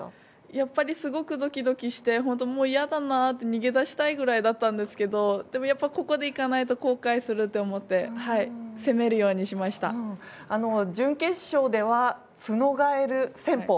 やっぱりすごくドキドキして本当、もう嫌だな逃げ出したいくらいだったんですけどやっぱり、ここでいかないと後悔すると思って準決勝ではツノガエル戦法